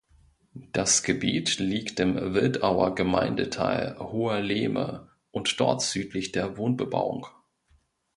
Das Gebiet liegt im Wildauer Gemeindeteil Hoherlehme und dort südlich der Wohnbebauung.